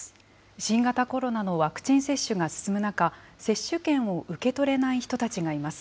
新型コロナのワクチン接種が進む中、接種券を受け取れない人たちがいます。